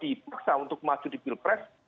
dipaksa untuk masuk di pilpres